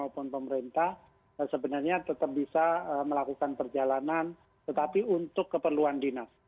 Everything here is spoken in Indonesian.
maupun pemerintah sebenarnya tetap bisa melakukan perjalanan tetapi untuk keperluan dinas